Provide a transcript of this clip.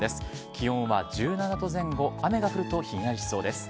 気温は１７度前後、雨が降るとひんやりしそうです。